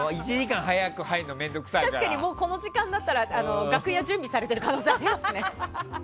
確かにもうこの時間だったら楽屋、準備されてる可能性ありますね。